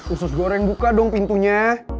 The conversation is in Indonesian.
usus goreng buka dong pintunya